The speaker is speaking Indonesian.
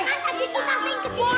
kan tadi kita sing ke sini